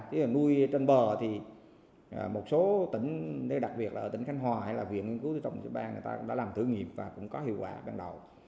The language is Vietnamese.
thế là nuôi trên bờ thì một số tỉnh đặc biệt là tỉnh khánh hòa hay là viện nghiên cứu tổng thủy ban người ta đã làm thử nghiệm và cũng có hiệu quả bên đầu